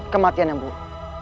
kematian yang buruk